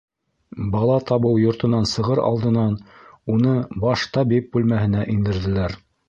Бала табыу йортонан сығыр алдынан уны баш табип бүлмәһенә индерҙеләр.